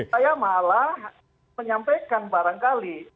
saya malah menyampaikan barangkali